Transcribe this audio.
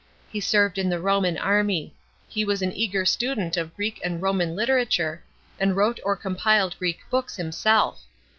He served in the Roman army ; he was an eager student of Greek and Roman literature, and wrote or compiled Greek books himself.